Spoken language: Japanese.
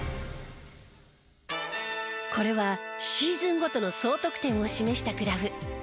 これはシーズンごとの総得点を示したグラフ。